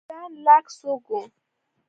جان لاک څوک و؟